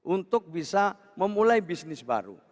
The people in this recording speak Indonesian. untuk bisa memulai bisnis baru